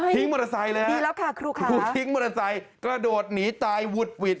ทิ้งมอเตอร์ไซค์แล้วครับครูทิ้งมอเตอร์ไซค์กระโดดหนีตายวุดหวิด